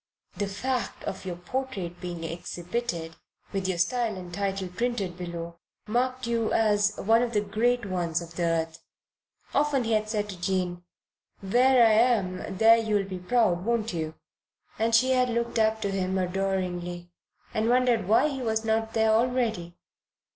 The fact of your portrait being exhibited, with your style and title printed below, marked you as one of the great ones of the earth. Often he had said to Jane: "When I am there you'll be proud, won't you?" And she had looked up to him adoringly and wondered why he was not there already.